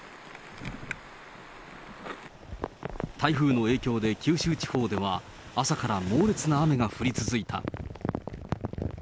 台風の影響で九州地方では、朝から猛烈な雨が降り続いた。